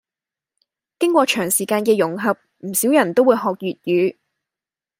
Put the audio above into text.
經過長時間嘅融合，唔少人都會學粵語